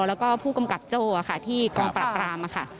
แล้วก็ผู้กำกับโจ้ค่ะที่กองปราบรามค่ะ